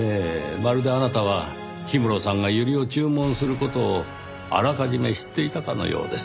まるであなたは氷室さんがユリを注文する事をあらかじめ知っていたかのようです。